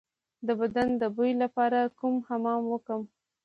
د بدن د بوی لپاره کوم حمام وکړم؟